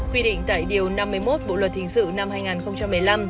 quy định tại điều năm mươi một bộ luật hình sự năm hai nghìn một mươi năm